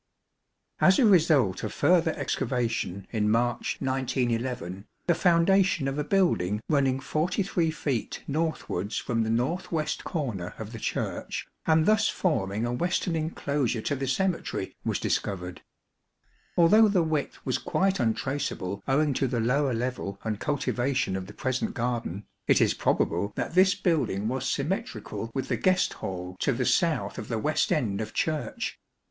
As a result of further excavation in March, 1911, the foundation of a building running 43 feet northwards from the north west corner of the Church and thus forming a western enclosure to the cemetery was discovered. Although the width was quite untraceable owing to the lower level and cultivation of the present garden, it is probable that this building was symmetrical with the guest hall to the south of the west end of Church.